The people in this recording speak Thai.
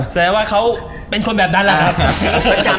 แสดงว่าเขาเป็นคนแบบนั้นแหละครับ